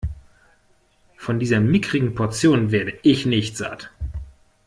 Von dieser mickrigen Portion werde ich nicht satt.